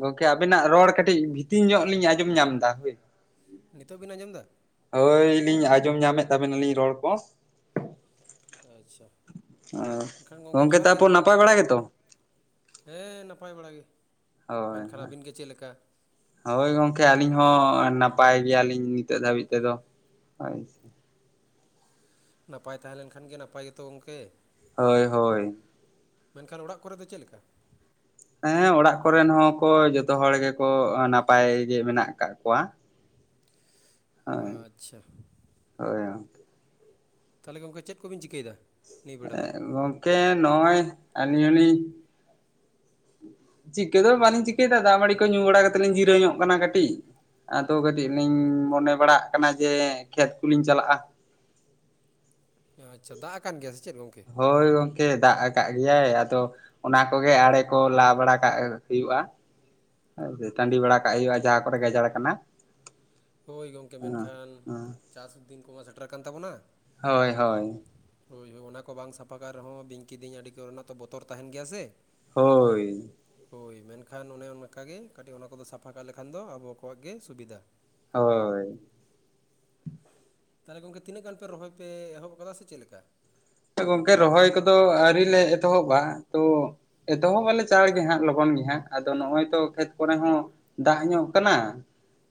ᱜᱚᱝᱠᱮ ᱟᱵᱤᱱᱟᱜ ᱨᱚᱲ ᱠᱟᱹᱴᱤᱡ ᱵᱷᱤᱛᱤᱨ ᱧᱚᱜ ᱞᱤᱧ ᱟᱸᱡᱚᱢ ᱧᱟᱢ ᱮᱫᱟ ᱦᱳᱭ᱾ ᱱᱤᱛᱚᱜ ᱵᱤᱱ ᱟᱸᱡᱚᱢ ᱫᱟ? ᱦᱳᱭᱞᱤᱧ ᱟᱸᱡᱚᱢ ᱧᱟᱢᱮᱫ ᱛᱟᱵᱮᱱᱟᱞᱤᱧ ᱨᱚᱲ ᱠᱚ᱾ ᱟᱪᱪᱷᱟ ᱮᱱᱠᱷᱟᱱ ᱚ ᱜᱚᱢᱠᱮ ᱜᱚᱝᱠᱮ ᱡᱚᱦᱟᱨ ᱜᱮ ᱛᱟᱨᱯᱚᱨ ᱱᱟᱯᱟᱭ ᱵᱟᱲᱟ ᱜᱮᱛᱚ? ᱦᱮᱸ ᱱᱟᱯᱟᱭ ᱵᱟᱲᱟ ᱜᱮ᱾ ᱦᱳᱭ ᱢᱮᱱᱠᱷᱟᱱ ᱦᱳᱭ ᱾ ᱟᱹᱵᱤᱱ ᱜᱮ ᱪᱮᱫ ᱞᱮᱠᱟ ᱦᱳᱭ ᱜᱚᱝᱠᱮ ᱟᱹᱞᱤᱧ ᱦᱚᱸ ᱱᱟᱯᱟᱭ ᱜᱮᱭᱟᱞᱤᱧ ᱱᱤᱛᱚᱜ ᱫᱷᱟᱹᱵᱤᱡ ᱛᱮᱫᱚ ᱦᱳᱭ ᱾ ᱱᱟᱯᱟᱭ ᱛᱟᱦᱮᱸ ᱞᱮᱱᱠᱷᱟᱱ ᱜᱮ ᱱᱟᱯᱟᱭ ᱜᱮᱛᱚ ᱜᱚᱢᱠᱮ ᱾ ᱦᱳᱭ ᱦᱳᱭ ᱾ ᱢᱮᱱᱠᱷᱟᱱ ᱚᱲᱟᱜ ᱠᱚᱨᱮ ᱫᱚ ᱪᱮᱫ ᱞᱮᱠᱟ? ᱦᱮᱸ ᱚᱲᱟᱜ ᱠᱚᱨᱮᱱ ᱦᱚᱸᱠᱚ ᱡᱚᱛᱚ ᱦᱚᱲ ᱜᱮᱠᱚ ᱱᱟᱯᱟᱭ ᱜᱮ ᱢᱮᱱᱟᱜ ᱠᱟᱜ ᱠᱚᱣᱟ ᱾ ᱟᱪᱪᱷᱟ᱾ ᱦᱳᱭ᱾ ᱛᱟᱦᱚᱞᱮ ᱜᱚᱢᱠᱮ ᱪᱮᱫ ᱠᱚᱵᱤᱱ ᱪᱤᱠᱟᱹᱭᱮᱫᱟ? ᱱᱤᱭᱟᱹ ᱵᱮᱲᱟ ᱮ ᱫᱚ ᱜᱚᱢᱠᱮ ᱱᱚᱚᱭ ᱟᱞᱤᱦᱤᱧ ᱪᱤᱠᱟᱹ ᱫᱚ ᱵᱟᱹᱞᱤᱧ ᱪᱤᱠᱟᱹᱭᱮᱫᱟ ᱫᱟᱜ ᱢᱟᱹᱲᱤ ᱠᱚ ᱧᱩ ᱵᱟᱲᱟ ᱠᱟᱛᱮ ᱞᱤᱧ ᱡᱤᱨᱟᱹ ᱧᱚᱜ ᱠᱟᱱᱟ ᱠᱟᱹᱴᱤᱡ ᱾ ᱟᱫᱚ ᱠᱟᱹᱴᱤᱡ ᱞᱤᱧ ᱢᱚᱱᱮ ᱵᱟᱲᱟᱜ ᱠᱟᱱᱟ ᱡᱮ ᱠᱷᱮᱛ ᱠᱚᱞᱤᱧ ᱪᱟᱞᱟᱜᱼᱟ᱾ ᱟᱪᱪᱷᱟ ᱫᱟᱜ ᱟᱠᱟᱱ ᱜᱮᱭᱟ ᱥᱮ ᱪᱮᱫ ᱜᱚᱝᱠᱮ? ᱦᱳᱭ ᱜᱚᱝᱠᱮ ᱫᱟᱜ ᱟᱠᱟᱫ ᱜᱮᱭᱟᱭ, ᱟᱫᱚ ᱚᱱᱟᱠᱜᱮ ᱟᱲᱮ ᱠᱚ ᱞᱟ ᱵᱟᱲᱟ ᱠᱟᱜ ᱦᱩᱭᱩᱜᱼᱟ᱾ ᱦᱮ ᱴᱟᱺᱰᱤ ᱵᱟᱲᱟ ᱠᱟᱜ ᱦᱩᱭᱩᱜᱼᱟ ᱡᱟᱦᱟᱸ ᱠᱚᱨᱮ ᱜᱟᱡᱟᱲ ᱟᱠᱟᱱᱟ᱾ ᱦᱳᱭ ᱜᱚᱢᱠᱮ ᱢᱮᱱᱠᱷᱟᱱ ᱪᱟᱥ ᱫᱤᱱ ᱠᱚᱢᱟ ᱥᱮᱴᱮᱨ ᱠᱟᱱᱟᱱ ᱛᱟᱵᱚᱱᱟ ᱾ ᱦᱳᱭ ᱦᱳᱭ᱾ ᱦᱳᱭ ᱦᱳᱭ ᱚᱱᱟ ᱠᱚ ᱵᱟᱝ ᱥᱟᱯᱷᱟ ᱠᱟᱜ ᱨᱮᱦᱚᱸ ᱵᱤᱧ ᱠᱤᱫᱤᱧ ᱟᱹᱰᱤ ᱠᱚᱨᱮᱱᱟᱜ ᱛᱚ ᱵᱚᱛᱚᱨ ᱛᱟᱦᱮᱱ ᱜᱮᱭᱟ ᱥᱮ᱾ ᱦᱳᱭᱻ ᱦᱳᱭ ᱢᱮᱱᱠᱷᱟᱱ ᱚᱱᱮ ᱚᱱᱠᱟᱜᱮ ᱠᱟᱹᱴᱤᱡ ᱚᱱᱟ ᱠᱚᱫᱚ ᱥᱟᱯᱷᱟ ᱠᱟᱜ ᱞᱮᱠᱷᱟᱱ ᱫᱚ ᱟᱵᱚ ᱠᱚᱣᱟᱜ ᱜᱮ ᱥᱩᱵᱤᱫᱟ᱾ ᱦᱳᱭ᱾ ᱛᱟᱦᱚᱞᱮ ᱜᱚᱝᱠᱮ ᱛᱤᱱᱟᱹᱜ ᱜᱟᱱ ᱯᱮ ᱨᱚᱦᱚᱭ ᱯᱮ ᱮᱦᱚᱵ ᱟᱠᱟᱫᱟ ᱥᱮ ᱪᱮᱫ ᱞᱮᱠᱟ? ᱜᱚᱝᱠᱮ ᱨᱚᱦᱚᱭ ᱠᱚᱫᱚ ᱟᱹᱣᱨᱤ ᱞᱮ ᱮᱛᱚᱦᱚᱵᱟ ᱛᱚ ᱮᱛᱚᱦᱚᱵ ᱟᱞᱮ ᱪᱟᱬ ᱜᱮ ᱦᱟᱸᱜ ᱞᱚᱜᱚᱱ ᱜᱮ ᱦᱟᱸᱜ ᱟᱫᱚ ᱱᱚᱜᱼᱚᱭ ᱛᱚ ᱠᱷᱮᱛ ᱠᱚᱨᱮ ᱦᱚᱸ᱾ ᱫᱟᱜ ᱧᱚᱜ ᱠᱟᱱᱟ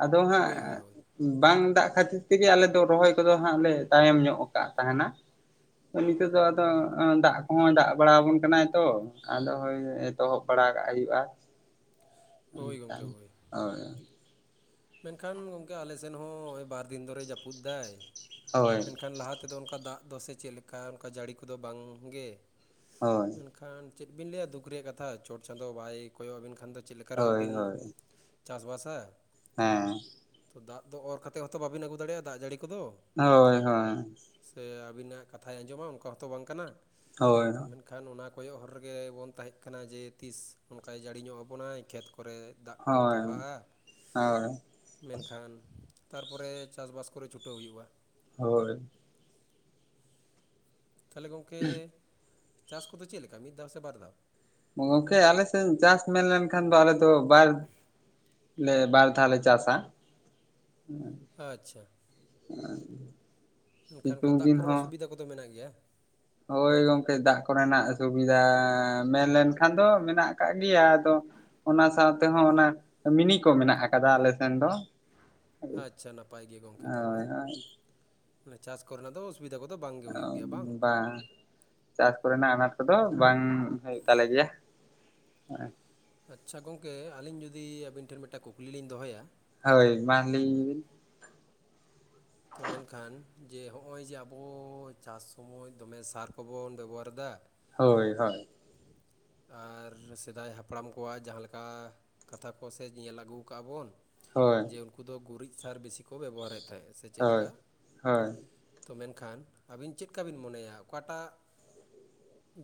ᱟᱫᱚ ᱦᱟᱸᱜ ᱦᱳᱭ ᱦᱳᱭ ᱦᱳᱭ ᱵᱟᱝ ᱫᱟᱜ ᱠᱷᱟᱹᱛᱤᱨ ᱛᱮᱜᱮ ᱟᱞᱮ ᱫᱚ ᱨᱚᱦᱚᱭ ᱠᱚᱫᱚ ᱦᱟᱸᱜ ᱞᱮ ᱛᱟᱭᱚᱢ ᱧᱚᱜ ᱟᱠᱟᱫ ᱛᱟᱦᱮᱱᱟ᱾ ᱱᱤᱛᱳ ᱫᱚ ᱟᱫᱚ ᱫᱟᱜ ᱠᱚᱦᱚᱸᱭ ᱫᱟᱜ ᱵᱟᱲᱟ ᱟᱵᱚᱱ ᱠᱟᱱᱟᱭ ᱛᱚ᱾ ᱟᱫᱚ ᱦᱳᱭ ᱮᱛᱚᱦᱚᱵ ᱵᱟᱲᱟ ᱠᱟᱜ ᱦᱩᱭᱩᱜᱼᱟ, ᱦᱳᱭ ᱜᱚᱢᱠᱮ ᱮᱠᱷᱟᱱ ᱦᱳᱭ ᱦᱳᱭ ᱾ ᱢᱮᱱᱠᱷᱟᱱ ᱜᱚᱝᱠᱮ ᱟᱞᱮᱥᱱ ᱦᱚᱸᱭ ᱵᱟᱨ ᱫᱤᱱ ᱫᱷᱚᱨᱮ ᱡᱟᱹᱯᱩᱫ ᱫᱟᱭ ᱦᱳᱭ ᱢᱮᱱᱠᱷᱟᱱ ᱞᱟᱦᱟᱛᱮ ᱱᱛᱮᱫᱚ ᱚᱱᱠᱟ ᱫᱟᱜ ᱫᱚᱥᱮ ᱪᱮᱫ ᱞᱮᱠᱟ ᱚᱱᱠᱟ ᱡᱟᱹᱲᱤ ᱠᱚᱫᱚ ᱵᱟᱝᱜᱮ᱾ ᱦᱳᱭ ᱾ ᱮᱱᱠᱷᱟᱱ ᱪᱮᱫ ᱵᱤᱱ ᱞᱟᱹᱭᱟ ᱫᱩᱠ ᱨᱮᱭᱟᱜ ᱠᱟᱛᱷᱟ ᱪᱚᱴ ᱪᱟᱸᱫᱚᱳ ᱵᱟᱭ ᱠᱚᱭᱚᱜᱼᱟᱵᱱ ᱠᱷᱟᱱ ᱫᱚ ᱪᱮᱫ ᱞᱮᱠᱟ ᱨᱮ ᱦᱳᱭ ᱵᱤᱱ ᱦᱳᱭ ᱪᱟᱥᱵᱟᱥᱟ᱾ ᱦᱮᱸ᱾ ᱫᱟᱜ ᱫᱚ ᱚᱨ ᱠᱟᱛᱮᱜ ᱦᱚᱛᱚ ᱵᱟᱵᱤᱱ ᱟᱹᱜᱩ ᱫᱟᱲᱮᱭᱟᱜᱼᱟ, ᱫᱟᱜ ᱡᱟᱹᱲᱤ ᱠᱚᱫᱚ᱾ ᱦᱳᱭ ᱦᱳᱭ᱾ ᱥᱮ ᱟᱵᱤᱱᱟᱜ ᱠᱟᱛᱷᱟᱭ ᱟᱸᱡᱚᱢᱟ ᱚᱱᱠᱟ ᱦᱚᱛᱚ ᱵᱟᱝ ᱠᱟᱱᱟ᱾ ᱦᱳᱭ᱾ ᱮᱱᱠᱷᱟᱱ ᱚᱱᱟ ᱠᱚᱭᱚᱜ ᱦᱚᱨ ᱨᱮᱜᱮ ᱵᱚᱱ ᱛᱟᱦᱮᱜ ᱠᱟᱱᱟ ᱡᱮ ᱛᱤᱥ ᱚᱝᱠᱟᱭ ᱡᱟᱹᱲᱤᱧᱚᱜ ᱟᱵᱚᱱᱟᱭ ᱠᱷᱮᱛ ᱠᱚᱨᱮ᱾ ᱫᱟᱜ ᱠᱚ ᱦᱳᱭ ᱛᱟᱵᱷᱟᱜᱼᱟ ᱦᱳᱭ᱾ ᱢᱮᱱᱠᱷᱟᱱ ᱛᱟᱨᱯᱚᱨᱮ ᱪᱟᱥᱵᱟᱥ ᱠᱚᱨᱮ ᱪᱷᱩᱴᱟᱹᱣ ᱦᱩᱭᱩᱜᱼᱟ᱾ ᱦᱳᱭ᱾ ᱛᱟᱦᱚᱞᱮ ᱜᱚᱢᱠᱮ ᱪᱟᱥ ᱠᱚᱫᱚ ᱪᱮᱫ ᱞᱮᱠᱟ ᱢᱤᱫ ᱫᱷᱟᱣ ᱥᱮ ᱵᱟᱨ ᱫᱷᱟᱣ? ᱜᱚᱝᱠᱮ ᱟᱞᱮ ᱥᱮᱫ ᱪᱟᱥ ᱢᱮᱱ ᱞᱮᱱᱠᱷᱟᱱ ᱫᱚ ᱟᱞᱮ ᱫᱚ ᱵᱟᱨ ᱞᱮ ᱵᱟᱨ ᱫᱷᱟᱣ ᱞᱮ ᱪᱟᱥᱟ᱾ ᱟᱪᱪᱷᱟ, ᱮᱱᱠᱷᱟᱱ ᱚᱱᱠᱟ ᱥᱤᱛᱩᱝ ᱫᱟᱜ ᱫᱤᱱ ᱠᱚᱨᱮᱱᱟᱜ ᱦᱚᱸ ᱥᱩᱵᱤᱫᱟ ᱠᱚᱫᱚ ᱢᱮᱱᱟᱜ ᱜᱮᱭᱟ? ᱦᱳᱭ ᱜᱚᱝᱠᱮ ᱫᱟᱜ ᱠᱚᱨᱮᱱᱟᱜ ᱥᱩᱵᱤᱫᱟ ᱢᱮᱱᱞᱱᱠᱷᱟᱱ ᱫᱚ ᱢᱮᱱᱟᱜ ᱟᱠᱟᱜ ᱜᱮᱭᱟ। ᱚᱱᱟ ᱥᱟᱶᱛᱮ ᱦᱚᱸ ᱚᱱᱟ ᱢᱤᱱᱤ ᱠᱚ ᱢᱮᱱᱟᱜ ᱟᱠᱟᱫᱟ ᱟᱞᱮ ᱥᱮᱱ ᱫᱚ᱾ ᱟᱪᱪᱷᱟ ᱱᱟᱯᱟᱭ ᱜᱮ ᱜᱚᱝᱠᱮ ᱛᱟᱦᱚᱞᱮ ᱦᱳᱭ ᱦᱳᱭ ᱪᱟᱥ ᱠᱚᱨᱮᱱᱟᱜ ᱫᱚ ᱚᱥ ᱵᱤᱫᱟ ᱠᱚᱫᱚ ᱵᱟᱝ ᱜᱮ ᱦᱩᱭᱩᱜ ᱜᱮᱭᱟ ᱵᱟᱝ? ᱦᱮᱸ। ᱪᱟᱥ ᱠᱚᱨᱮᱱᱟᱜ ᱟᱱᱟᱴ ᱠᱚᱫᱚ ᱵᱟᱝ ᱦᱩᱭᱩᱜ ᱛᱟᱞᱮ ᱜᱮᱭᱟ। ᱟᱪᱪᱷᱟ ᱜᱚᱝᱠᱮ ᱟᱹᱞᱤᱧ ᱡᱩᱫᱤ ᱟᱹᱵᱤᱱ ᱴᱷᱮᱱ ᱢᱤᱫᱴᱮᱱ ᱠᱩᱠᱞᱤ ᱞᱤᱧ ᱫᱚᱦᱚᱭᱟ। ᱦᱳᱭ ᱢᱟ ᱞᱟᱹᱭ ᱟᱹᱧ ᱵᱤᱱ। ᱛᱚ ᱢᱮᱱᱠᱷᱟᱱ ᱡᱮ ᱦᱚᱜᱼᱚᱭ ᱡᱮ ᱟᱵᱚ ᱪᱟᱥ ᱥᱚᱢᱚᱭ ᱫᱚᱢᱮ ᱥᱟᱨ ᱠᱚᱵᱚᱱ ᱵᱮᱵᱚᱦᱟᱨᱫᱟ᱾ ᱦᱳᱭ ᱦᱳᱭ᱾ ᱟᱨ ᱥᱮᱫᱟᱭ ᱦᱟᱯᱲᱟᱢ ᱠᱚᱣᱟᱜ ᱡᱟᱦᱟᱸ ᱞᱮᱠᱟ ᱠᱟᱛᱷᱟ ᱠᱚ ᱥᱮ ᱧᱮᱞ ᱟᱹᱜᱩ ᱟᱠᱟᱜᱼᱟ ᱵᱚᱱ᱾ ᱦᱳᱭ ᱡᱮ ᱩᱱᱠᱩ ᱫᱚ ᱜᱩᱨᱤᱡ ᱥᱟᱨ ᱵᱤᱥᱤ ᱠᱚ ᱵᱮᱵᱚᱦᱟᱨᱮᱫ ᱛᱟᱦᱮᱸᱜ ᱥᱮ ᱪᱮᱫ ᱦᱳᱭ ᱞᱮᱠᱟ? ᱦᱳᱭ ᱛᱚ ᱢᱮᱱᱠᱷᱟᱱ ᱟᱵᱤᱱ ᱪᱮᱫᱠᱟ ᱵᱤᱱ ᱢᱚᱱᱮᱭᱟ ᱚᱠᱟᱴᱟᱜ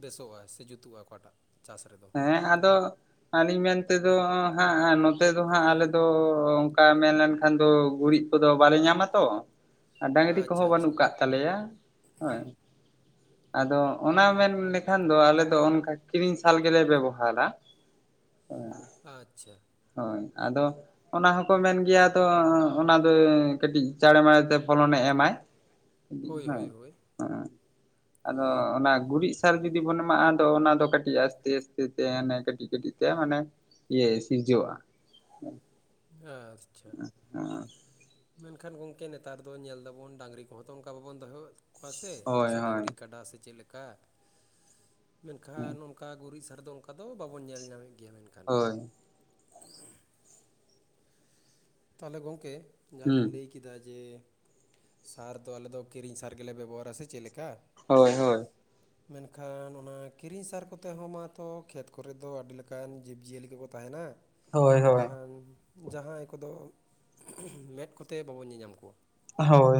ᱵᱮᱥᱚᱜᱼᱟ, ᱥᱮ ᱡᱩᱛᱩᱜᱼᱟ ᱚᱠᱟᱴᱟᱜ ᱪᱟᱥ ᱨᱮᱫᱚ? ᱦᱮᱸ ᱟᱫᱚ ᱟᱹᱞᱤᱧ ᱢᱮᱱᱛᱮᱫᱚ ᱦᱟᱸᱜ ᱱᱚᱛᱮ ᱫᱚ ᱦᱟᱸᱜ ᱟᱞᱮᱫᱚ ᱚᱱᱠᱟ ᱢᱮᱱᱞᱮᱱᱠᱷᱟᱱ ᱫᱚ ᱜᱩᱨᱤᱡ᱾ ᱠᱚᱫᱚ ᱵᱟᱞᱮ ᱧᱟᱢᱟ ᱛᱚ ᱰᱟᱝᱨᱤ ᱟᱪᱪᱷᱟ ᱠᱚᱦᱚᱸ ᱟᱪᱪᱷᱟ ᱵᱟᱹᱱᱩᱜ ᱠᱟᱜ ᱛᱟᱞᱮᱭᱟ ᱦᱮ᱾ ᱟᱫᱚ ᱚᱱᱟ ᱢᱮᱱ ᱞᱮᱠᱷᱟᱱ ᱫᱚ ᱟᱞᱮ ᱫᱚ ᱚᱱᱠᱟ ᱠᱤᱨᱤᱧ ᱦᱟᱞ ᱜᱮᱞᱮ ᱵᱮᱵᱚᱦᱟᱨᱟ᱾ ᱟᱪᱪᱷᱟ᱾ ᱦᱳᱭ, ᱟᱫᱚ ᱚᱱᱟ ᱦᱚᱸᱠᱚ ᱢᱮᱱ ᱜᱮᱭᱟ ᱛᱚ ᱚᱱᱟ ᱫᱚ ᱠᱟᱹᱴᱤᱡ ᱪᱟᱬᱮ ᱢᱟᱲᱮ ᱛᱮ ᱯᱷᱚᱞᱚᱱᱮ ᱮᱢᱟᱭ᱾ ᱦᱳᱭ ᱦᱮᱸ ᱦᱳᱭ ᱦᱳᱭ ᱮᱸ᱾ ᱟᱫᱚ ᱚᱱᱟ ᱜᱩᱨᱤᱡ ᱥᱟᱨ ᱡᱩᱫᱤ ᱵᱚᱱ ᱮᱢᱟᱜᱼᱟ, ᱟᱫᱚ ᱚᱱᱟ ᱫᱚ ᱠᱟᱹᱴᱤᱡ ᱟᱥᱛᱮ ᱟᱥᱛᱮ ᱛᱮ ᱠᱟᱹᱴᱤᱡ ᱠᱟᱹᱴᱤᱡ ᱛᱮ ᱢᱟᱱᱮ ᱤᱭᱟᱹ ᱥᱤᱨᱡᱟᱹᱜᱼᱟ᱾ ᱟᱪᱪᱷᱟ᱾ ᱦᱳᱭ ᱢᱮᱱᱠᱷᱟᱱ ᱜᱚᱝᱠᱮ ᱱᱮᱛᱟᱨ ᱫᱚ ᱧᱮᱞ ᱮᱫᱟᱵᱚᱱ ᱰᱟᱝᱨᱤ ᱠᱚᱦᱚᱸ ᱛᱚ ᱚᱱᱠᱟ ᱵᱟᱵᱚᱱ ᱫᱚᱦᱚᱣ ᱠᱚᱣᱟ ᱥᱮ ᱦᱳᱭ ᱥᱮ ᱦᱳᱭ ᱰᱟᱝᱨᱤ, ᱠᱟᱰᱟ ᱥᱮ ᱪᱮᱫ ᱞᱮᱠᱟ? ᱢᱮᱱᱠᱷᱟᱱ ᱚᱱᱠᱟ ᱜᱩᱨᱤᱡ ᱥᱟᱨ ᱫᱚ ᱚᱱᱠᱟ ᱫᱚ ᱵᱟᱵᱚᱱ ᱧᱮᱞ ᱧᱟᱢᱮᱫ ᱜᱮᱭᱟ ᱢᱮᱱᱠᱷᱟᱱ। ᱵᱟᱝ। ᱛᱟᱞᱮ ᱜᱚᱝᱠᱮ ᱡᱟᱦᱟᱸᱵᱤᱱ ᱦᱩᱸ ᱞᱟᱹᱭ ᱠᱮᱫ ᱠᱮᱫᱟ ᱡᱮ ᱥᱟᱨ ᱫᱚ ᱟᱞᱮᱫᱚ ᱠᱤᱨᱤᱧ ᱥᱟᱨ ᱜᱮᱞᱮ ᱵᱮᱵᱚᱦᱟᱨᱟ ᱥᱮ ᱪᱮᱱ ᱞᱮᱠᱟ? ᱦᱳᱭ ᱦᱳᱭ ᱢᱮᱱ ᱠᱷᱟᱱ ᱚᱱᱟ ᱠᱤᱨᱤᱧ ᱥᱟᱨ ᱠᱚᱛᱮ ᱦᱚᱸ ᱢᱟᱛᱚ ᱠᱷᱮᱛ ᱠᱚᱨᱮᱫ ᱫᱚ ᱟᱹᱰᱤ ᱞᱮᱠᱟᱱ ᱡᱤᱵᱽ ᱡᱤᱭᱟᱹᱞᱤ ᱠᱚᱠᱚ ᱛᱟᱦᱮᱱᱟ ᱦᱳᱭ ᱢᱮᱱ ᱠᱷᱟᱱ ᱡᱟᱦᱟᱸᱭ ᱠᱚᱫᱚ ᱢᱮᱫ ᱠᱚᱛᱮ ᱵᱟᱵᱚᱱ ᱧᱮᱧᱟᱢ ᱠᱚᱣᱟ ᱦᱳᱭ ᱦᱳᱭ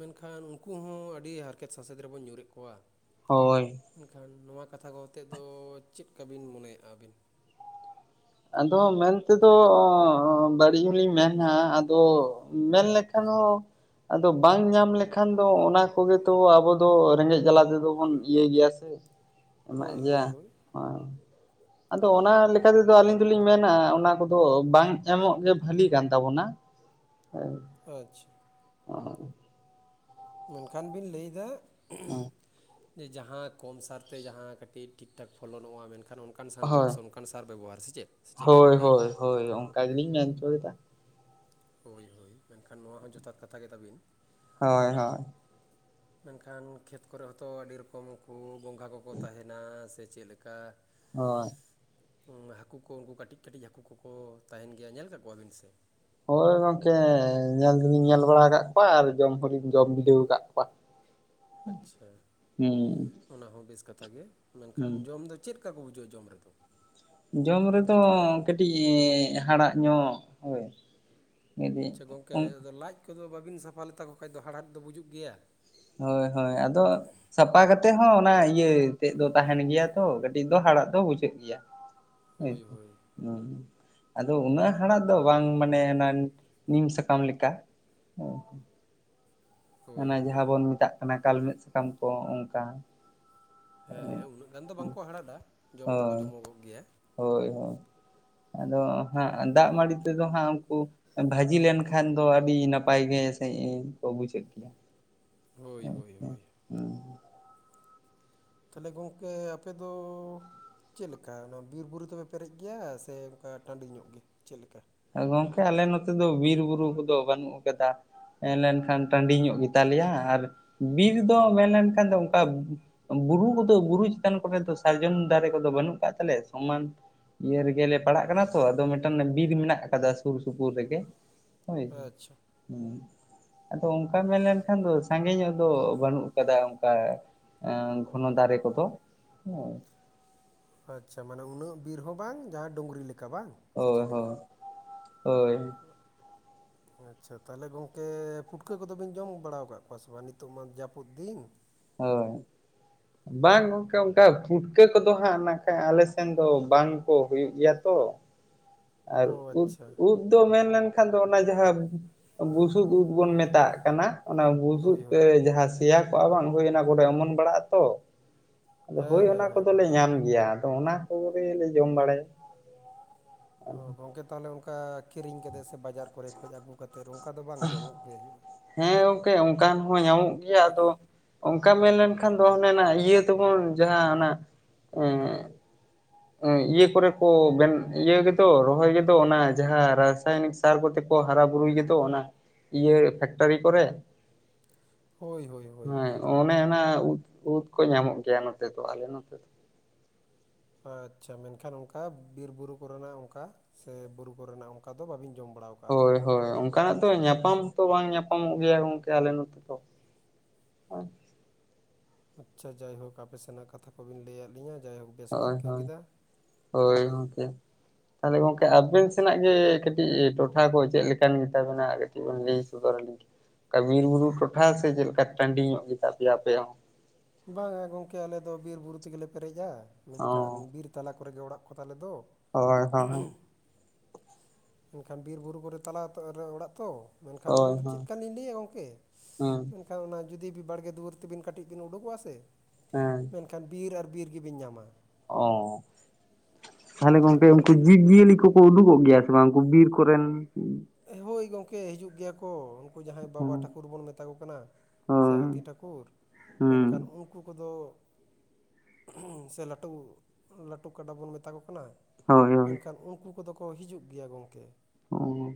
ᱢᱮᱱᱠᱷᱟᱱ ᱩᱱᱠᱩ ᱦᱚᱸ ᱟᱹᱰᱤ ᱦᱟᱨᱠᱮᱛ ᱥᱟᱥᱮᱛ ᱨᱮᱵᱚᱱ ᱧᱩᱨᱮᱫ ᱠᱚᱣᱟ ᱦᱳᱭ ᱢᱮᱱ ᱠᱷᱟᱱ ᱱᱚᱣᱟ ᱠᱟᱛᱷᱟ ᱠᱚ ᱚᱛᱮᱫ ᱫᱚ ᱪᱮᱫ ᱠᱟᱵᱤᱱ ᱢᱚᱱᱮᱭᱮᱼᱟ ᱟᱹᱵᱤᱱ ᱟᱫᱚ ᱢᱮᱱ ᱛᱮ ᱫᱚ ᱵᱟᱹᱲᱤᱡ ᱦᱚᱸᱞᱤᱧ ᱢᱮᱱᱟ ᱟᱫᱚ ᱢᱮᱱ ᱞᱮᱠᱷᱟᱱ ᱦᱚᱸᱼᱼ ᱟᱫᱚ ᱵᱟᱝ ᱧᱟᱢ ᱞᱮᱠᱷᱟᱱ ᱫᱚ ᱚᱱᱟ ᱠᱚ ᱜᱮ ᱛᱚ ᱟᱵᱚ ᱫᱚ ᱨᱮᱸᱜᱮᱡ ᱡᱟᱞᱟ ᱛᱮᱫᱚ ᱵᱚᱱ ᱤᱭᱟᱹᱭ ᱜᱮᱭᱟ ᱥᱮᱼᱼ ᱮᱢᱟᱜ ᱦᱳᱭ ᱜᱮᱭᱟ ᱦᱳᱭ ᱦᱳᱭ ᱟᱫᱚ ᱚᱱᱟ ᱞᱮᱠᱟ ᱛᱮ ᱫᱚᱼᱼ ᱟᱹᱞᱤᱧ ᱫᱚᱞᱤᱧ ᱢᱮᱱᱟ ᱚᱱᱟ ᱠᱚᱫᱚ ᱵᱟᱝ ᱮᱢᱚᱜ ᱜᱮ ᱵᱷᱟᱹᱞᱤ ᱠᱟᱱ ᱛᱟᱵᱚᱱᱟ ᱟᱪᱪᱷᱟ ᱮᱱᱠᱷᱟᱱ ᱵᱤᱱ ᱞᱟᱹᱭᱫᱟ, ᱡᱮ ᱡᱟᱦᱟᱸ ᱠᱚᱢ ᱥᱟᱨᱛᱮ ᱡᱟᱦᱟᱸ ᱠᱟᱹᱴᱤᱡ ᱴᱷᱤᱠ ᱴᱷᱟᱠ ᱯᱷᱚᱞᱚᱱᱚᱜᱼᱟ ᱢᱮᱱ ᱠᱷᱟᱱ [unintelligible] ᱚᱱᱠᱟᱱ ᱥᱟᱱ ᱦᱳᱭ ᱵᱮᱵᱥᱚᱱ ᱚᱱᱠᱟᱱ ᱥᱟᱨ ᱵᱮᱵᱚᱦᱟᱨ ᱥᱮ ᱪᱮᱫ ᱥᱮ ᱪᱮᱫᱮᱠᱟ ᱵᱤᱱ ᱦᱳᱭ ᱞᱟᱹᱭ ᱫᱟ ᱦᱳᱭ ᱦᱳᱭ ᱚᱱᱠᱟᱼᱼ ᱠᱟᱹᱞᱤᱧ ᱢᱮᱱ ᱪᱚᱭ ᱫᱟᱼᱼ ᱦᱳᱭ ᱦᱳᱭ ᱢᱮᱱ ᱠᱷᱟᱱ ᱱᱚᱣᱟ ᱦᱚᱸ ᱡᱚᱛᱷᱟᱛ ᱠᱟᱛᱷᱟ ᱜᱮᱛᱟ ᱵᱤᱱ ᱦᱳᱭ ᱦᱳᱭ ᱢᱮᱱ ᱠᱷᱟᱱ ᱠᱷᱮᱛ ᱠᱚ ᱨᱮ ᱦᱚᱸᱛᱚ ᱟᱹᱰᱤ ᱨᱚᱠᱚᱢ ᱠᱚ ᱜᱚᱸᱜᱷᱟ ᱠᱚᱠᱚ ᱛᱟᱦᱮᱱᱟ ᱥᱮ ᱪᱮᱫ ᱞᱮᱠᱟᱼᱼ [unintelligible] ᱦᱟᱹᱠᱩ ᱠᱚ ᱩᱱᱠᱩ ᱠᱟᱹᱴᱤᱡ ᱠᱟᱹᱴᱤᱡ ᱦᱟᱹᱠᱩ ᱠᱚᱠᱚ ᱛᱟᱦᱮᱱ ᱜᱮᱭᱟ ᱧᱮᱞ ᱠᱟᱜ ᱠᱚᱣᱟ ᱵᱤᱱ ᱥᱮ, ᱦᱳᱭ ᱜᱚᱝᱠᱮ ᱧᱮᱞ ᱫᱚᱞᱤᱧ ᱧᱮᱞ ᱵᱟᱲᱟ ᱟᱠᱟᱫ ᱠᱚᱣᱟ ᱟᱨ ᱡᱚᱢ ᱦᱚᱸᱞᱤᱧ ᱡᱚᱢ ᱵᱤᱰᱷᱟᱹᱣ ᱟᱠᱟᱫ ᱠᱚᱣᱟ [inaudible] ᱟᱪᱪᱷᱟ ᱦᱩᱸ ᱚᱱᱟ ᱦᱚᱸ ᱵᱮᱥ ᱠᱟᱛᱷᱟ ᱜᱮ ᱢᱮᱱ ᱠᱷᱟᱱ ᱦᱩᱸ ᱡᱚᱢ ᱫᱚᱼᱼ ᱪᱮᱫᱠᱟ ᱠᱚ ᱵᱩᱡᱷᱟᱹᱜᱼᱟ ᱡᱚᱢ ᱨᱮ ᱫᱚᱼᱼ ᱡᱚᱢ ᱨᱮ ᱫᱚ ᱠᱟᱹᱴᱤᱡ ᱦᱟᱲᱟᱜ ᱧᱚᱜ ᱦᱳᱭ, ᱠᱟᱹᱴᱤᱡ ᱟᱪᱪᱷᱟ ᱜᱚᱝᱠᱮ ᱟᱫᱚ ᱞᱟᱡ ᱠᱚᱫᱚ ᱵᱟᱹᱵᱤᱱ ᱥᱟᱯᱷᱟ ᱞᱮᱛᱟᱠᱚ ᱠᱷᱟᱡ ᱫᱚ ᱦᱟᱲᱦᱟᱫ ᱫᱚ ᱵᱩᱡᱩᱜ ᱜᱮᱭᱟ ᱦᱳᱭ ᱦᱳᱭ ᱟᱫᱚᱼᱼ ᱥᱟᱯᱷᱟ ᱠᱟᱛᱮᱜ ᱦᱚᱸ ᱚᱱᱟ ᱤᱭᱟᱹ ᱛᱮᱫ ᱫᱚ ᱛᱟᱦᱮᱱ ᱜᱮᱭᱟ ᱛᱚ ᱠᱟᱹᱴᱤᱡ ᱫᱚ ᱦᱟᱲᱟᱫ ᱫᱚ ᱵᱩᱡᱷᱟᱹᱜ ᱜᱮᱭᱟ ᱦᱳᱭ ᱦᱳᱭ [unintelligible] [unintelligible] ᱟᱫᱚ ᱩᱱᱟᱹᱜ ᱦᱟᱲᱟᱜ ᱫᱚ ᱵᱟᱝ ᱢᱟᱱᱮ ᱚᱱᱟ ᱱᱤᱢ ᱥᱟᱠᱟᱢ ᱞᱮᱠᱟ [unintelligible] ᱦᱳᱭ ᱚᱱᱮ ᱦᱳᱭ ᱡᱟᱦᱟᱸ ᱵᱚᱱ ᱢᱮᱛᱟᱜ ᱠᱟᱱᱟ ᱠᱟᱞᱢᱮᱫ ᱥᱟᱠᱟᱢ ᱠᱚ ᱚᱱᱠᱟᱼᱼ ᱦᱮᱸ ᱦᱮᱸ ᱩᱱᱟᱹᱜ ᱜᱟᱱ ᱫᱚ ᱵᱟᱝ‌ ᱠᱚ ᱦᱟᱲᱟᱫᱼᱟ ᱡᱚᱢ ᱫᱚᱠᱚ ᱦᱳᱭ ᱡᱚᱢᱚᱜᱚᱜ ᱜᱮᱭᱟ ᱦᱳᱭ ᱦᱳᱭ ᱟᱫᱚ ᱦᱟᱸᱜ ᱫᱟᱜ ᱢᱟᱹᱲᱤ ᱛᱮᱫᱚ ᱦᱟᱸᱜ ᱩᱱᱠᱩ ᱵᱷᱟᱼᱼ ᱡᱤ ᱞᱮᱱ ᱠᱷᱟᱱ ᱠᱚ ᱟᱹᱰᱤ ᱱᱟᱯᱟᱭ ᱜᱮ ᱥᱟᱹᱦᱤᱡ ᱠᱚ ᱵᱩᱡᱷᱟᱹᱜ ᱜᱮᱭᱟ ᱦᱳᱭ ᱦᱳᱭ ᱦᱳᱭ [inaudible] ᱛᱷᱟᱦᱞᱮ ᱜᱚᱝᱠᱮ ᱟᱯᱮ ᱫᱚᱼᱼ ᱪᱮᱫ ᱞᱮᱠᱟ ᱚᱱᱟ ᱵᱤᱨ ᱵᱩᱨᱩ ᱛᱮᱯᱮ ᱯᱮᱨᱮᱡ ᱜᱮᱭᱟ ᱥᱮ ᱚᱱᱠᱟ ᱴᱟᱹᱱᱰᱤ ᱧᱚᱜ ᱜᱮ ᱪᱮᱫ ᱞᱮᱠᱟᱼᱼ ᱜᱚᱝᱠᱮ ᱟᱞᱮ ᱱᱚᱛᱮ ᱫᱚ ᱵᱤᱨ ᱵᱩᱨᱩ ᱠᱚ ᱫᱚ ᱵᱟᱹᱱᱩᱜ ᱟᱠᱟᱫᱟ [unintelligible] ᱴᱟᱹᱱᱰᱤ ᱧᱚᱜ ᱜᱮ ᱛᱟᱞᱮᱭᱟ ᱟᱨ ᱵᱤᱨ ᱫᱚ ᱢᱮᱱ ᱞᱮᱱ ᱠᱷᱟᱱ ᱫᱚ ᱚᱱᱠᱟᱼᱼ ᱵᱩᱨᱩ ᱠᱚ ᱫᱚ ᱵᱩᱨᱩ ᱪᱮᱛᱟᱱ ᱠᱚ ᱨᱮ ᱫᱚ ᱥᱟᱨᱡᱚᱢ ᱫᱟᱨᱮ ᱠᱚᱫᱚ ᱵᱟᱹᱱᱩᱜ ᱠᱟᱫ ᱛᱟᱞᱮᱭᱟ ᱥᱚᱢᱟᱱ ᱤᱭᱟᱹ ᱨᱮᱜᱮᱞᱮ ᱯᱟᱲᱦᱟᱜ ᱠᱟᱱᱟ ᱛᱚ ᱟᱫᱚ ᱢᱮᱴᱟᱱ ᱵᱤᱨ ᱢᱮᱱᱟᱜᱼᱼ ᱟᱠᱟᱫᱟ ᱥᱩᱨ ᱥᱩᱯᱩᱨ ᱨᱮᱜᱮ ᱦᱳᱭ ᱦᱮᱸ ᱟᱪᱪᱷᱟ ᱟᱫᱚ ᱚᱱᱠᱟ ᱢᱮᱱᱞᱮᱱᱠᱷᱟᱱ ᱫᱚ ᱥᱟᱸᱜᱮ ᱧᱚᱜ ᱫᱚ ᱵᱟᱹᱱᱩᱜ ᱠᱟᱫᱟ ᱚᱱᱠᱟ ᱟᱝ ᱜᱷᱚᱱᱚ ᱫᱟᱨᱮ ᱠᱚᱫᱚ ᱦᱮᱸ ᱟᱪᱪᱷᱟ ᱢᱟᱱᱮ ᱩᱱᱟᱹᱜ ᱵᱤᱨ ᱦᱚᱸ ᱵᱟᱝ ᱡᱟᱦᱟᱸ ᱰᱩᱝᱨᱤ ᱞᱮᱠᱟ ᱵᱟᱝ ᱥᱮ ᱦᱳᱭ ᱪᱮᱫ ᱞᱮᱠᱟ ᱦᱳᱭ ᱦᱳᱭ ᱟᱪᱪᱷᱟ ᱛᱟᱦᱚᱞᱮ ᱜᱚᱝᱠᱮ ᱯᱩᱴᱠᱟᱹ ᱠᱚᱫᱚᱵᱤᱱ ᱡᱚᱢ ᱵᱟᱲᱟᱣ ᱟᱠᱟᱫ ᱠᱚᱣᱟ ᱥᱮ ᱵᱟᱝ ᱱᱤᱛᱚᱜ ᱢᱟ ᱡᱟᱹᱯᱩᱫ ᱫᱤᱱ ᱦᱳᱭ ᱵᱟᱝ ᱜᱚᱝᱠᱮ ᱚᱱᱠᱟ ᱯᱷᱩᱴᱠᱟᱹ ᱠᱚᱫᱚ ᱦᱟᱸᱜ ᱱᱟᱠᱷᱟᱡ ᱟᱞᱮ ᱥᱮᱱ ᱫᱚ ᱵᱟᱝ ᱠᱚ ᱦᱩᱭᱩᱜ ᱜᱮᱭᱟ ᱛᱚ ᱟᱨ ᱚ ᱩᱫ ᱟᱪᱪᱷᱟ ᱩᱫ ᱫᱚ ᱢᱮᱱᱞᱮᱱᱠᱷᱟᱱ ᱫᱚ ᱚᱱᱟ ᱡᱟᱦᱟᱸ ᱵᱩᱥᱩᱵ ᱩᱫ ᱵᱚᱱ ᱢᱮᱛᱟᱜ ᱠᱟᱱᱟ ᱚᱱᱟ ᱵᱩᱥᱩᱵ ᱦᱳᱭ ᱛᱮ ᱦᱳᱭ ᱡᱟᱦᱟᱸ ᱥᱮᱭᱟ ᱠᱚᱜᱼᱟ ᱵᱟᱝ ᱦᱚᱭᱚᱱᱟ ᱠᱚᱨᱮ ᱚᱢᱚᱱ ᱵᱟᱲᱟᱜ ᱟᱛᱚ ᱟᱫᱚ ᱦᱮᱸ ᱦᱳᱭ ᱦᱮᱸ ᱚᱱᱟ ᱦᱮᱸ ᱠᱚᱫᱚᱞᱮ ᱜᱚᱝᱠᱮ ᱧᱟᱢ ᱜᱮᱭᱟ ᱟᱫᱚ ᱚᱱᱟ ᱠᱚᱜᱮᱞᱮ ᱡᱚᱢ ᱵᱟᱲᱟᱭᱟ ᱜᱚᱝᱠᱮ ᱛᱟᱦᱞᱮ ᱚᱱᱠᱟ ᱠᱤᱨᱤᱧ ᱠᱟᱛᱮ ᱥᱮ ᱵᱟᱡᱟᱨ ᱠᱚᱨᱮ ᱠᱷᱚᱱ ᱟᱹᱜᱩ ᱠᱟᱛᱮᱫ ᱚᱱᱠᱟ ᱫᱚ ᱵᱟᱝ ᱡᱚᱢᱚᱜ ᱜᱮ ᱦᱩᱭᱩᱜᱼᱟ ᱦᱮᱸ ᱜᱚᱝᱠᱮ ᱚᱱᱠᱟᱱ ᱦᱚᱸ ᱧᱟᱢᱚᱜ ᱜᱮᱭᱟ ᱟᱫᱚ ᱚᱱᱠᱟ ᱢᱮᱱᱞᱮᱱᱠᱷᱟᱱ ᱫᱚ ᱚᱱᱮᱱᱟᱜ ᱤᱭᱟᱹ ᱛᱮᱵᱚᱱ ᱡᱟᱦᱟᱸ ᱚᱱᱟ ᱮᱜ ᱤᱭᱟᱹ ᱠᱚᱨᱮ ᱠᱚ ᱵᱮ ᱤᱭᱟᱹ ᱜᱮᱫᱚ ᱨᱚᱦᱚᱭ ᱜᱮᱫᱚ ᱚᱱᱟ ᱡᱟᱦᱟᱸ ᱨᱟᱥᱟᱭᱚᱱᱤᱠ ᱥᱟᱨ ᱠᱚᱛᱮ ᱠᱚ ᱦᱟᱨᱟ ᱵᱩᱨᱩᱭ ᱜᱮᱛᱚ ᱚᱱᱟ ᱤᱭᱟᱹ ᱯᱷᱮᱠᱴᱟᱨᱤ ᱠᱚᱨᱮ ᱦᱳᱭ ᱦᱳᱭ ᱦᱳᱭ ᱦᱮᱸ ᱦᱳᱭ ᱚᱱᱮ ᱚᱱᱟ ᱩᱫ ᱩᱫ ᱠᱚ ᱧᱟᱢᱚᱜ ᱜᱮᱭᱟ ᱱᱚᱛᱮ ᱫᱚ ᱟᱞᱮ ᱱᱚᱛᱮ ᱫᱚ ᱟᱪᱪᱷᱟ ᱢᱮᱱᱠᱷᱟᱱ ᱚᱱᱠᱟ ᱵᱤᱨᱵᱩᱨᱩ ᱠᱚᱨᱮᱱᱟᱜ ᱚᱱᱠᱟ ᱥᱮ ᱵᱩᱨᱩ ᱠᱚᱨᱮᱱᱟᱜ ᱚᱱᱠᱟ ᱫᱚ ᱵᱟᱹᱵᱤᱱ ᱡᱚᱢ ᱵᱟᱲᱟ ᱟᱠᱟᱜᱼᱟ ᱥᱮ ᱦᱳᱭ ᱵᱟᱝ ᱦᱳᱭ ᱚᱱᱠᱟᱱᱟᱜ ᱫᱚ ᱧᱟᱯᱟᱢ ᱦᱚᱛᱚ ᱵᱟᱝ ᱧᱟᱯᱟᱢᱚᱜ ᱜᱮᱭᱟ ᱜᱚᱝᱠᱮ ᱟᱞᱮ ᱱᱚᱛᱮ ᱫᱚ ᱟᱪᱪᱷᱟ ᱡᱟᱭᱦᱳᱠ ᱟᱯᱮ ᱥᱮᱱᱟᱜ ᱠᱟᱛᱷᱟ ᱠᱚᱵᱤᱱ ᱞᱟᱹᱭᱟᱫ ᱞᱤᱧᱟᱹ ᱡᱟᱭᱦᱳᱠ ᱵᱮᱥ ᱞᱤᱧ ᱦᱳᱭ ᱟᱹᱭᱠᱟᱹᱣ ᱦᱳᱭ ᱠᱮᱫᱟ ᱦᱳᱭ ᱜᱚᱝᱠᱮ ᱛᱟᱦᱚᱞᱮ ᱜᱚᱝᱠᱮ ᱟᱵᱤᱱ ᱥᱮᱱᱟᱜ ᱜᱮ ᱠᱟᱹᱴᱤᱡ ᱴᱚᱴᱷᱟ ᱠᱚ ᱪᱮᱫ ᱞᱮᱠᱟᱱ ᱜᱮᱛᱟᱵᱤᱱᱟ ᱞᱟᱹᱭ ᱥᱚᱫᱚᱨ ᱟᱹᱞᱤᱧ ᱚᱱᱠᱟ ᱵᱤᱨ ᱵᱩᱨᱩ ᱴᱚᱴᱷᱟ ᱥᱮ ᱪᱮᱫ ᱞᱮᱠᱟ ᱴᱟᱺᱰᱤ ᱧᱚᱜ ᱜᱮᱛᱟ ᱯᱮᱭᱟ ᱟᱯᱮ ᱦᱚᱸ ᱵᱟᱝᱼᱟ ᱜᱚᱢᱠᱮ ᱟᱞᱮ ᱫᱚ ᱵᱤᱨ ᱵᱩᱨᱩ ᱛᱮᱜᱮᱞᱮ ᱯᱮᱨᱮᱡᱼᱟ ᱚ ᱢᱮᱱᱠᱷᱟᱱ ᱛᱟᱞᱟ ᱠᱚᱨᱮ ᱜᱮ ᱚᱲᱟᱜ ᱠᱚ ᱛᱟᱞᱮ ᱫᱚ ᱦᱳᱭ ᱦᱳᱭ ᱮᱱᱠᱷᱟᱱ ᱵᱤᱨ ᱵᱩᱨᱩ ᱠᱚᱨᱮ ᱛᱟᱞᱟ ᱟᱛᱩ ᱨᱮ ᱚᱲᱟᱜ ᱛᱚ ᱢᱮᱱᱠᱷᱟᱱ ᱦᱳᱭ ᱱᱚᱜ ᱪᱮᱫ ᱦᱳᱭ ᱞᱮᱠᱟᱱᱞᱤᱧ ᱞᱟᱹᱭᱟ ᱜᱚᱝᱠᱮ ᱦᱩᱸ ᱢᱮᱱᱠᱷᱟᱱ ᱚᱱᱟ ᱡᱩᱫᱤ ᱵᱟᱲᱜᱮ ᱫᱩᱣᱟᱹᱨ ᱛᱮᱵᱤᱱ ᱠᱟᱹᱴᱤᱡ ᱵᱤᱱ ᱩᱰᱳᱠ ᱠᱚᱣᱟ ᱥᱮ ᱦᱮᱸ ᱢᱮᱱᱠᱷᱟᱱ ᱵᱤᱨ ᱟᱨ ᱵᱤᱨ ᱜᱮᱵᱤᱱ ᱧᱟᱢᱟ ᱚ ᱛᱟᱦᱞᱮ ᱢᱮᱱᱠᱷᱟᱱ ᱜᱚᱢᱠᱮ ᱩᱱᱠᱤᱱ ᱡᱤᱵ ᱡᱤᱭᱟᱹᱞᱤ ᱠᱚᱠᱚ ᱩᱰᱩᱠᱚᱜ ᱜᱮᱭᱟ ᱥᱮ ᱵᱟᱝ ᱩᱱᱠᱩ ᱵᱤᱨ ᱠᱚᱨᱮᱱ ᱦᱳᱭ ᱜᱚᱢᱠᱮ ᱦᱤᱡᱩᱜ ᱜᱮᱭᱟ ᱠᱚ ᱩᱱᱠᱩ ᱡᱟᱦᱟᱸᱭ ᱵᱟᱵᱟ ᱦᱩᱸ ᱴᱷᱟᱹᱠᱩᱨ ᱵᱚᱱ ᱢᱮᱛᱟ ᱠᱚ ᱠᱟᱱᱟ ᱦᱳᱭ ᱥᱮ ᱦᱟᱹᱛᱤ ᱴᱷᱟᱹᱠᱩᱨ ᱦᱩᱸ ᱢᱮᱱᱠᱷᱟᱱ ᱩᱱᱠᱩ ᱠᱚᱫᱚ ᱥᱮ ᱞᱟᱹᱴᱩ ᱞᱟᱹᱴᱩ ᱠᱟᱰᱟ ᱵᱚᱱ ᱢᱮᱛᱟ ᱠᱚ ᱠᱟᱱᱟ ᱦᱳᱭ ᱦᱳᱭ ᱢᱮᱱᱠᱷᱟᱱ ᱩᱱᱠᱩ ᱩᱱᱠᱩ ᱫᱚᱠᱚ ᱦᱤᱡᱩᱜ ᱜᱮᱭᱟ ᱜᱚᱢᱠᱮ ᱚᱸᱦ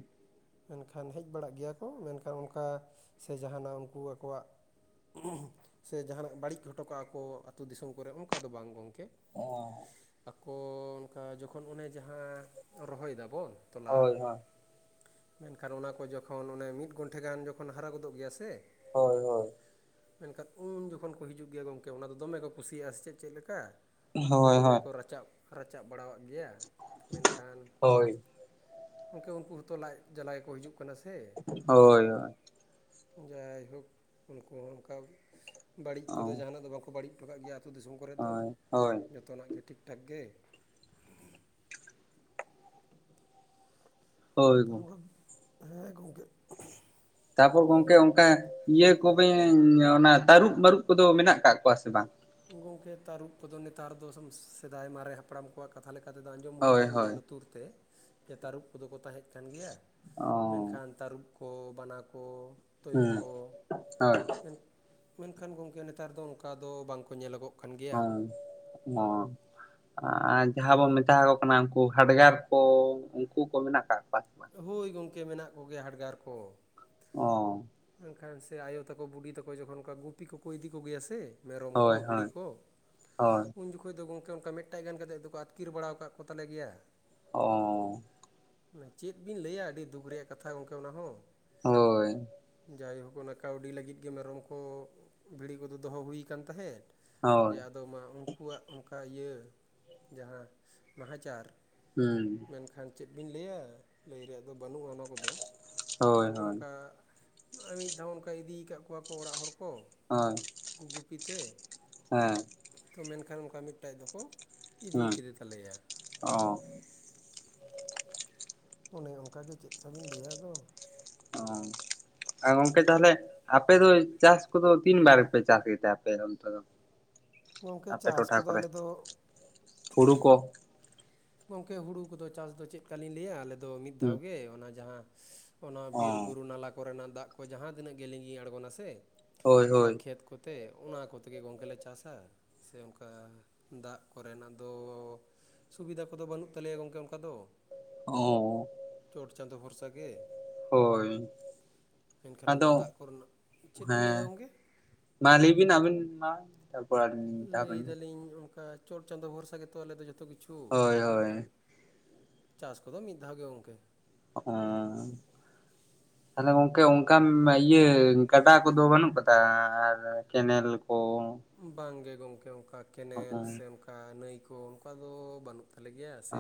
ᱢᱮᱱᱠᱷᱟᱱ ᱦᱮᱡ ᱵᱟᱲᱟᱜ ᱜᱮᱭᱟ ᱠᱚ ᱢᱮᱱᱠᱷᱟᱱ ᱚᱱᱠᱟ ᱥᱮ ᱡᱟᱦᱟᱱᱟᱜ ᱩᱱᱠᱩ ᱟᱠᱚᱣᱟᱜ ᱥᱮ ᱡᱟᱦᱟᱱᱟᱜ ᱵᱟᱹᱲᱤᱡ ᱦᱚᱴᱚ ᱠᱟᱜᱼᱟ ᱠᱚ ᱟᱹᱛᱩᱳ ᱫᱤᱥᱚᱢ ᱠᱚᱨᱮ ᱚᱱᱠᱟ ᱫᱚ ᱵᱟᱝ ᱜᱚᱢᱠᱮ ᱚ ᱟᱠᱚ ᱚᱱᱠᱟ ᱡᱚᱠᱷᱚᱱ ᱚᱱᱮ ᱡᱟᱦᱟᱸ ᱨᱚᱦᱚᱭ ᱫᱟᱵᱚᱱ ᱛᱚᱞᱟ ᱦᱳᱭ ᱦᱳᱭ ᱢᱮᱱᱠᱷᱟᱱ ᱚᱱᱟ ᱠᱚ ᱡᱚᱠᱷᱚᱱ ᱚᱱᱮ ᱢᱤᱫ ᱜᱷᱚᱱᱴᱷᱮ ᱜᱟᱱ ᱡᱚᱠᱷᱚᱱ ᱦᱟᱨᱟ ᱜᱚᱫᱚᱜ ᱜᱮᱭᱟ ᱥᱮ ᱦᱳᱭ ᱦᱳᱭ ᱢᱮᱱᱠᱷᱟᱱ ᱩᱱ ᱡᱚᱠᱷᱚᱱ ᱠᱚ ᱦᱤᱡᱩᱜ ᱜᱮᱭᱟ ᱜᱚᱢᱠᱮ ᱚᱱᱟ ᱫᱚ ᱫᱚᱢᱮ ᱠᱚ ᱠᱩᱥᱤᱭᱟᱜᱼᱟ ᱥᱮ ᱪᱮᱫ ᱪᱮᱫ ᱞᱮᱠᱟ। ᱟᱫᱚ ᱦᱳᱭ ᱫᱚᱢᱮ ᱦᱳᱭ ᱠᱚ ᱨᱟᱪᱟᱜ ᱨᱟᱪᱟᱜ ᱵᱟᱲᱟᱣᱟᱜ ᱜᱮᱭᱟ ᱢᱮᱱᱠᱷᱟᱱᱼᱼ ᱦᱳᱭ ᱦᱳᱭ ᱜᱚᱢᱠᱮ ᱩᱱᱠᱩ ᱦᱚᱸᱛᱚ ᱞᱟᱡ ᱡᱟᱞᱟ ᱜᱮᱠᱚ ᱦᱤᱡᱩᱜ ᱠᱟᱱᱟ ᱥᱮ ᱛᱚ ᱦᱳᱭ ᱦᱳᱭ ᱡᱟᱭᱦᱳᱠ ᱩᱱᱠᱩ ᱦᱚᱸ ᱚᱱᱠᱟ ᱵᱟᱹᱲᱤᱡ ᱚ ᱠᱚᱫᱚ ᱡᱟᱦᱟᱱᱟᱜ ᱫᱚ ᱵᱟᱠᱚ ᱵᱟᱹᱲᱤᱡ ᱦᱚᱴᱚ ᱠᱟᱜ ᱜᱮᱭᱟ ᱟᱛᱳ ᱫᱤᱥᱚᱢ ᱠᱚᱨᱮ ᱫᱚ ᱦᱳᱭ ᱦᱳᱭ ᱡᱚᱛᱚᱱᱟᱜ ᱜᱮ ᱴᱷᱤᱠ ᱴᱷᱟᱠ ᱜᱮ। ᱦᱳᱭ ᱜᱚᱝᱠᱮ [unintelligible] ᱦᱮᱸ ᱜᱚᱝᱠᱮ। ᱛᱟᱯᱚᱨ ᱜᱚᱝᱠᱮ ᱚᱱᱠᱟ ᱤᱭᱟᱹ ᱠᱚᱜᱮᱧ ᱚᱱᱟ ᱛᱟᱹᱨᱩᱵ ᱢᱟᱹᱨᱩᱵ ᱠᱚᱫᱚ ᱢᱮᱱᱟᱜ ᱟᱠᱟᱫ ᱠᱚᱣᱟ ᱥᱮ ᱵᱟᱝ? ᱜᱚᱝᱠᱮ ᱛᱟᱹᱨᱩᱵ ᱠᱚᱫᱚ ᱱᱮᱛᱟᱨ ᱫᱚ ᱥᱮᱫᱟᱭ ᱢᱟᱨᱮ ᱦᱟᱯᱲᱟᱢ ᱟᱠᱚᱣᱟᱜ ᱠᱟᱛᱷᱟ ᱞᱮᱠᱟᱛᱮᱫᱚ ᱟᱸᱡᱚᱢ ᱦᱩᱭ ᱦᱳᱭ ᱟᱠᱟᱱ ᱦᱳᱭ ᱜᱮᱭᱟ ᱞᱩᱛᱩᱨ ᱛᱮ ᱡᱮ ᱛᱟᱹᱨᱩᱵ ᱠᱚᱫᱚ ᱠᱚ ᱛᱟᱦᱮᱸᱫ ᱠᱟᱱ ᱜᱮᱭᱟ। ᱚ ᱢᱮᱱᱠᱷᱟᱱ ᱛᱟᱹᱨᱩᱵ ᱠᱚ ᱵᱟᱱᱟ ᱠᱚ ᱦᱩᱸ ᱛᱳᱭᱳ ᱠᱚ ᱦᱳᱭ। ᱢᱮᱱᱠᱷᱟᱱ ᱜᱚᱝᱠᱮ ᱱᱮᱛᱟᱨ ᱫᱚ ᱚᱱᱠᱟ ᱫᱚ ᱵᱟᱝ ᱠᱚ ᱧᱮᱞᱚᱜᱚᱜᱼᱼ ᱦᱮᱸ ᱦᱚᱸ ᱟᱨ ᱡᱟᱦᱟᱸ ᱵᱚᱱ ᱢᱮᱛᱟᱠᱚ ᱠᱟᱱᱟ ᱩᱱᱠᱩ ᱦᱟᱰᱜᱟᱨ ᱠᱚ ᱩᱱᱠᱩ ᱠᱚ ᱢᱮᱱᱟᱜ ᱟᱠᱟᱜ ᱠᱚᱣᱟ। ᱵᱟᱝ? ᱦᱳᱭ ᱜᱚᱝᱠᱮ ᱢᱮᱱᱟᱜ ᱠᱚᱜᱮᱭᱟ ᱦᱟᱰᱜᱟᱨ ᱠᱚ। ᱚ ᱢᱮᱱᱠᱷᱟᱱ ᱥᱮ ᱟᱭᱳ ᱛᱟᱠᱚ ᱵᱩᱰᱤ ᱛᱟᱠᱚ ᱡᱚᱠᱷᱚᱱ ᱚᱱᱠᱟ ᱜᱩᱛᱤ ᱠᱚᱠᱚ ᱤᱫᱤ ᱠᱚᱜᱮᱭᱟ ᱥᱮᱼᱼ ᱢᱮᱨᱚᱢ ᱠᱚ ᱦᱳᱭ ᱵᱷᱤᱲᱤ ᱦᱳᱭ ᱠᱚ ᱦᱳᱭ ᱩᱱ ᱡᱚᱠᱷᱚᱡ ᱫᱚ ᱜᱚᱢᱼᱼ ᱠᱮ ᱚᱱᱠᱟ ᱢᱤᱫᱴᱟᱡ ᱜᱟᱱ ᱠᱟᱛᱮᱫ ᱫᱚᱠᱚ ᱟᱛᱠᱤᱨ ᱵᱟᱲᱟᱣ ᱠᱟᱜ ᱠᱚᱛᱟᱞᱮ ᱜᱮᱭᱟ। ᱚᱻ ᱪᱮᱫ ᱵᱤᱱ ᱞᱟᱹᱭᱟ ᱟᱹᱰᱤ ᱫᱩᱠ ᱨᱮᱭᱟᱜ ᱠᱟᱛᱷᱟ ᱜᱚᱢᱠᱮ ᱚᱱᱟ ᱦᱚᱸ। ᱦᱳᱭ। ᱡᱟᱭᱦᱳᱠ ᱚᱱᱟ ᱠᱟᱹᱣᱰᱤ ᱞᱟᱹᱜᱤᱫ ᱜᱮ ᱢᱮᱨᱚᱢ ᱠᱚ ᱵᱷᱤᱲᱤ ᱠᱚᱫᱚ ᱫᱚᱦᱚ ᱦᱩᱭ ᱠᱟᱱ ᱛᱟᱦᱮᱸᱫ। ᱡᱮ ᱦᱳᱭ ᱟᱫᱚ ᱢᱟ ᱩᱱᱠᱩᱣᱟᱜ ᱚᱱᱠᱟ ᱤᱭᱟᱹ ᱡᱟᱦᱟᱸ ᱱᱟᱦᱟᱪᱟᱨ ᱦᱩᱸ ᱢᱮᱱᱠᱷᱟᱱ ᱪᱮᱫ ᱵᱤᱱ ᱞᱟᱹᱭᱟ ᱞᱟᱹᱭ ᱨᱮᱭᱟᱜ ᱫᱚ ᱵᱟᱹᱱᱩᱜᱼᱟ ᱚᱱᱟ ᱠᱚᱫᱚ ᱦᱳᱭ ᱟᱫᱚ ᱦᱳᱭ ᱚᱱᱠᱟ ᱢᱤᱫ ᱫᱷᱟᱣ ᱚᱱᱠᱟ ᱤᱫᱤ ᱠᱟᱜ ᱠᱚᱣᱟ ᱠᱚ ᱚᱲᱟᱜ ᱦᱚᱲ ᱠᱚ ᱦᱳᱭ ᱜᱩᱯᱤᱛᱮ ᱦᱮᱸ ᱛᱚ ᱢᱮᱱᱠᱷᱟᱱ ᱚᱱᱠᱟ ᱢᱤᱫᱴᱮᱡ ᱫᱚᱠᱚ ᱤᱫᱤ ᱦᱩᱸ ᱠᱮᱫᱮ ᱛᱟᱞᱮᱭᱟ। ᱚ। ᱚᱱᱮ ᱚᱱᱠᱟᱜᱮ ᱪᱮᱫᱠᱟ ᱵᱤᱱ ᱞᱟᱹᱭᱟ ᱟᱫᱚ। ᱚ ᱟ ᱜᱚᱝᱠᱮ ᱛᱟᱦᱚᱞᱮ ᱟᱯᱮ ᱫᱚ ᱪᱟᱥ ᱠᱚᱫᱚ ᱛᱤᱱ ᱵᱟᱨ ᱯᱮ ᱪᱟᱥ ᱜᱮᱛᱮ ᱟᱯᱮ ᱚᱱᱛᱮ ᱫᱚ? ᱜᱚᱝᱠᱮ ᱟᱯᱮ ᱪᱟᱥ ᱴᱚᱴᱷᱟ ᱠᱚᱫᱚ ᱠᱚᱨᱮ ᱟᱞᱮ ᱫᱚ ᱦᱩᱲᱩ ᱠᱚ ᱜᱚᱝᱠᱮ ᱦᱩᱲᱩ ᱠᱚᱫᱚ ᱪᱟᱥ ᱫᱚ ᱪᱮᱫ ᱠᱟᱞᱤᱧ ᱞᱟᱹᱭᱟ ᱟᱞᱮ ᱫᱚ ᱢᱤᱫ ᱦᱩᱸ ᱫᱷᱟᱣ ᱜᱮ ᱚᱱᱟ ᱡᱟᱦᱟᱸ ᱚᱱᱟ ᱵᱤᱨ ᱚ ᱵᱩᱨᱩ ᱱᱟᱞᱟ ᱠᱚᱨᱮᱱᱟᱜ ᱫᱟᱜ ᱠᱚ ᱡᱟᱦᱟᱸ ᱛᱤᱱᱟᱹᱜ ᱜᱮ ᱞᱤᱸᱜᱤ ᱟᱲᱜᱚᱱᱟ ᱥᱮ ᱦᱳᱭ ᱚᱱᱟ ᱦᱳᱭ ᱠᱷᱮᱛ ᱠᱚᱛᱮ ᱚᱱᱟ ᱠᱚᱛᱮᱜᱮ ᱜᱚᱝᱠᱮᱞᱮ ᱪᱟᱥᱟ। ᱥᱮ ᱚᱱᱠᱟ ᱫᱟᱜ ᱠᱚᱨᱮᱱᱟᱜ ᱫᱚᱻ ᱥᱩᱵᱤᱫᱷᱟ ᱠᱚᱫᱚ ᱵᱟᱹᱱᱩᱜ ᱛᱟᱞᱮᱭᱟ ᱜᱚᱝᱠᱮ ᱚᱱᱠᱟ ᱫᱚ। ᱚᱻ ᱪᱚᱴ ᱪᱟᱸᱫᱚ ᱵᱷᱚᱨᱥᱟ ᱜᱮ। ᱦᱳᱭ ᱢᱮᱱᱠᱷᱟᱱ ᱚᱱᱠᱟ ᱟᱫᱚ ᱫᱟᱜ ᱠᱚᱨᱮᱱᱟᱜ ᱪᱮᱫ ᱵᱤᱱ ᱞᱟᱹᱭᱫᱟ ᱦᱮᱸ ᱜᱚᱝᱠᱮ ᱢᱟ ᱞᱟᱹᱭ ᱵᱤᱱ ᱟᱵᱤᱱ ᱢᱟ ᱛᱟᱨᱯᱚᱨ [inaudible] ᱞᱟᱹᱭ, ᱫᱟᱞᱤᱧ ᱚᱝᱠᱟ ᱪᱚᱴ ᱪᱟᱸᱫᱚ ᱵᱷᱚᱨᱥᱟ ᱜᱮᱛᱚ ᱟᱞᱮ ᱫᱚ ᱡᱷᱚᱛᱚ ᱠᱤᱪᱷᱩ ᱦᱳᱭ ᱦᱳᱭ ᱢᱮᱱᱠᱷᱟᱱ ᱪᱟᱥ ᱠᱚᱫᱚ ᱢᱤᱫ ᱫᱷᱟᱣ ᱜᱮ ᱜᱚᱝᱠᱮ᱾ ᱚ᱾ ᱛᱟᱦᱞᱮ ᱜᱚᱝᱠᱮ ᱚᱱᱠᱟ ᱤᱭᱟᱹ ᱜᱟᱰᱟ ᱠᱚᱫᱚ ᱵᱟᱹᱱᱩᱜ ᱠᱟᱫᱟ ᱟᱨ ᱠᱮᱱᱮᱞ ᱠᱚ? ᱵᱟᱝᱜᱮ ᱜᱚᱢᱠᱮ ᱚᱝᱠᱟ ᱦᱚᱸᱜᱼᱚ ᱠᱮᱱᱮᱞ ᱥᱮ ᱚᱝᱠᱟ ᱠᱟ ᱱᱟᱹᱭ ᱠᱚ ᱚᱝᱠᱟ ᱫᱚ ᱵᱟᱹᱱᱩᱜ ᱛᱟᱞᱮ ᱜᱮᱭᱟ ᱥᱮ